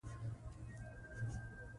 هر څوک له سانتیاګو سره ځان تړلی ګڼي.